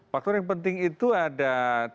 faktor yang penting itu ada